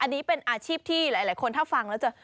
อันนี้เป็นอาชีพที่หลายคนถ้าฟังแล้วจะ